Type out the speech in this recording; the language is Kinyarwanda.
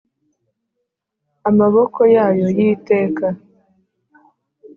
Amaboko yayo y iteka